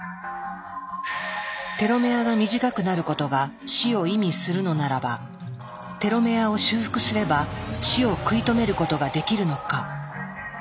テロメアが短くなることが死を意味するのならばテロメアを修復すれば死を食い止めることができるのか。